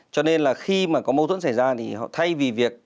cho nên là khi mà có mâu thuẫn xảy ra thì họ thay vì việc